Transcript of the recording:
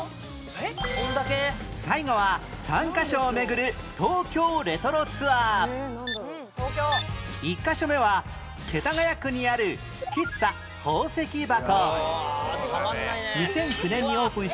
最後は３カ所を巡る１カ所目は世田谷区にある喫茶宝石箱